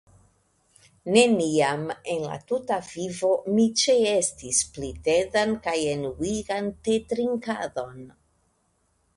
Neniam en la tuta vivo mi ĉeestis pli tedan pli enuigan tetrinkadon.